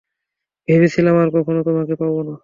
ভেবেছিলাম আর কখনো তোমাকে পাবো না।